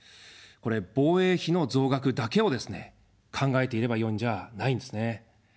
これ、防衛費の増額だけをですね、考えていればよいんじゃないんですね。